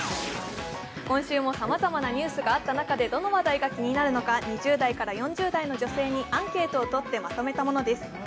今週もさまざまなニュースがあった中でどの話題が気になるのか２０代から４０代の女性にアンケートを取って、まとめたものです。